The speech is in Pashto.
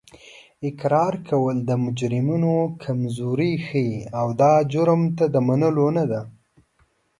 اقرار کول د مجرمینو کمزوري ښیي او دا مجرم ته د منلو نه ده